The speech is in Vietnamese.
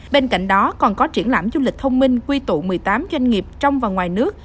bên cạnh đó còn có triển lãm du lịch thông minh quy tụ một mươi tám doanh nghiệp trong và ngoài nước